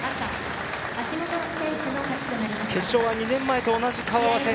決勝は２年前と同じ顔合わせ。